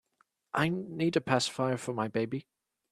I need a pacifier for my baby.